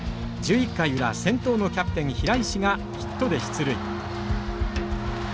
１１回裏先頭のキャプテン平石がヒットで出塁。